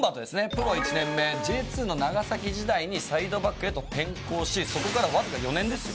プロ１年目Ｊ２の長崎時代にサイドバックへと転向しそこからわずか４年ですよ。